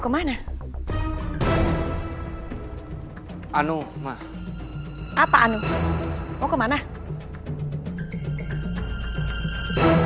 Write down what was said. kayaknya udah inget ya om